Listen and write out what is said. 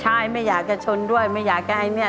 ใช่ไม่อยากจะชนด้วยไม่อยากจะให้แม่